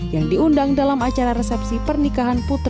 yang diundang dalam acara resepsi pernikahan putra